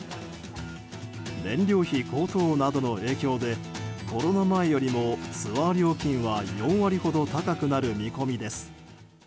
燃料費高騰などの影響でコロナ前よりもツアー料金は４割ほど高くなる見込みです。